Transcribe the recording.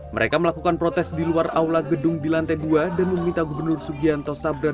mereka melakukan protes di luar aula gedung di lantai dua dan meminta gubernur sugianto sabran